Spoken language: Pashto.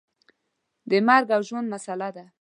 د مرګ او ژوند مسله ده.